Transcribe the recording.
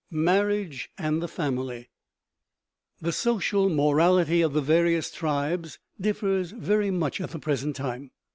MARRIAGE AND THE FAMILY The social morality of the various tribes differs very much at the present time.